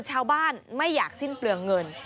ชาวบ้านไม่อยากสิ้นเปลืองเงิน